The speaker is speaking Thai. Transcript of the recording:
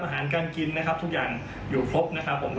อาหารการกินนะครับทุกอย่างอยู่ครบนะครับผม